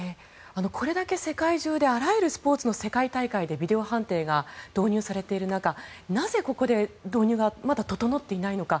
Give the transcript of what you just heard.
これだけ世界中であらゆるスポーツの世界大会でビデオ判定が導入されている中なぜここで導入がまだ整っていないのか